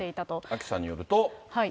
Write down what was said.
アキさんによると。